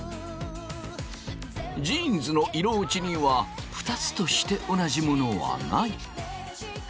ジーンズの色落ちにはニつとして同じものはない。